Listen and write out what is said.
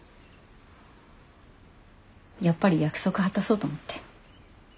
やっぱり約束果たそうと思って。